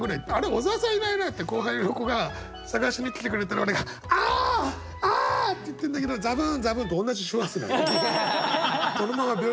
小沢さんいないな」って後輩の子が捜しに来てくれたら俺が「あ！あ！」って言ってんだけどザブーンザブーンと同じ周波数なの。